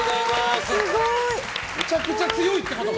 めちゃくちゃ強いってことか。